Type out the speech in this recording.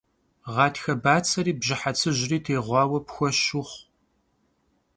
Ğatxe batseri bjıhe tsıjri têğuaue pxueş vuxhu.